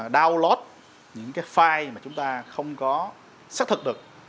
download những cái file mà chúng ta không có xác thực được